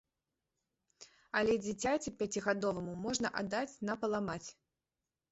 Але дзіцяці пяцігадоваму можна аддаць на паламаць.